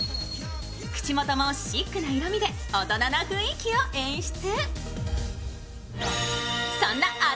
口元もシックな色味で、大人な雰囲気を演出。